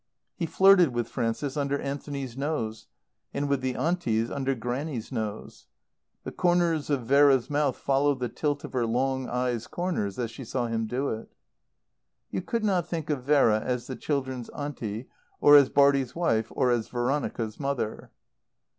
He flirted with Frances under Anthony's nose; and with the Aunties under Grannie's nose. The corners of Vera's mouth followed the tilt of her long eyes' corners as she saw him do it. You could not think of Vera as the children's Auntie, or as Bartie's wife, or as Veronica's mother.